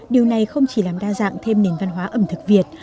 điều này không chỉ làm đa dạng thêm nền văn hóa ẩm thực việt